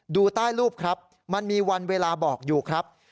ดูใต้รูปครับมันมีวันเวลาบอกอยู่ครับ